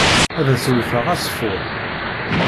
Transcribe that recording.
Ad as-wwteɣ aseffud.